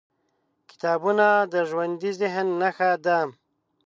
کتابونه د ژوندي ذهن نښه ده.